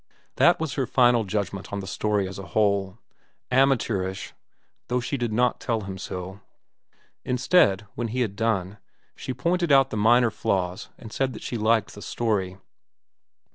That was her final judgment on the story as a whole—amateurish, though she did not tell him so. Instead, when he had done, she pointed out the minor flaws and said that she liked the story.